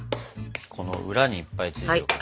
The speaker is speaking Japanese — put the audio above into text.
この裏にいっぱいついてるから。